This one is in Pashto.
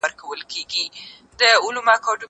زه بايد کتابتون ته راشم!؟